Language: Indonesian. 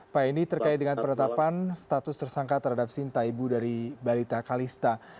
pak ini terkait dengan penetapan status tersangka terhadap sinta ibu dari balita kalista